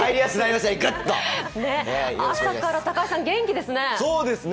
朝から、高橋さん元気ですね！